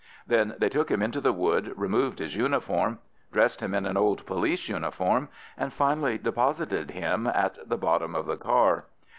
They then took him into the wood, removed his uniform, dressed him in an old police uniform, and finally deposited him at the bottom of the car.